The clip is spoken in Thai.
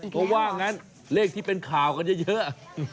เพราะว่างั้นเลขที่เป็นข่าวกันเยอะ